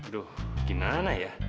duh gimana ya